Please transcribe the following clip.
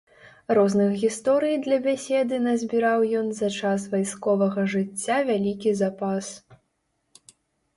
Розных гісторый для бяседы назбіраў ён за час вайсковага жыцця вялікі запас.